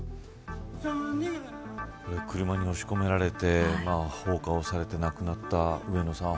車に押し込められて放火をされて亡くなった上野さん